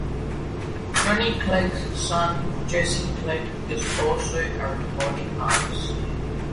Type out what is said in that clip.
Johnny Clegg's son Jesse Clegg is also a recording artist.